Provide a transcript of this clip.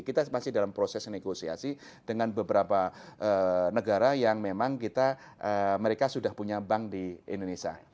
kita masih dalam proses negosiasi dengan beberapa negara yang memang kita mereka sudah punya bank di indonesia